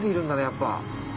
やっぱ。